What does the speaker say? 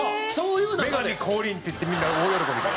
女神降臨って言ってみんな大喜びで。